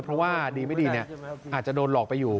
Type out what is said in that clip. เพราะว่าดีไม่ดีอาจจะโดนหลอกไปอยู่